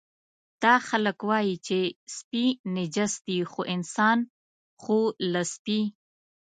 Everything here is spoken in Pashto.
دا خلک وایي چې سپي نجس دي، خو انسان خو له سپي.